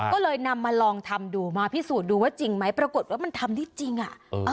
ก็เลยนำมาลองทำดูมาพิสูจน์ดูว่าจริงไหมปรากฏว่ามันทำได้จริงอ่ะ